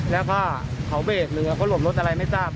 แล้วก็เขาเบรกเรือเขาหลบรถอะไรไม่ทราบ